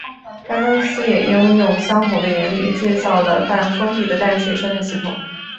该公司也应用相同的原理制作了半封闭的淡水生态系统。